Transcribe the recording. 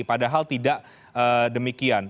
padahal tidak demikian